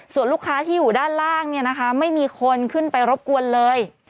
ส่วนลูกค้าที่อยู่ด้านล่างเนี่ยนะคะไม่มีคนขึ้นไปรบกวนเลย